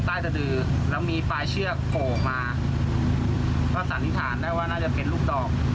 ใต้สะดือแล้วมีปลายเชือกโผล่ออกมาก็สันนิษฐานได้ว่าน่าจะเป็นลูกดอก